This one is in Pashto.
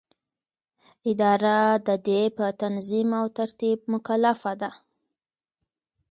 اداره د دې په تنظیم او ترتیب مکلفه ده.